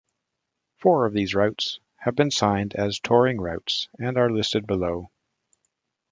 Four of these routes have been signed as touring routes and are listed below.